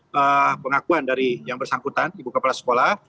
dan pengakuan dari yang bersangkutan ibu kepala sekolah